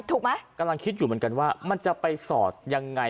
ถูกไหมกำลังคิดอยู่เหมือนกันว่ามันจะไปสอดยังไง